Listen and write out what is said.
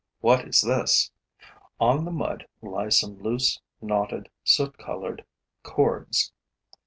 What is this? On the mud lie some loose, knotted, soot colored cords.